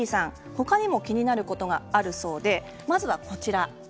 他にも気になることがあるそうでまずは、こちらです。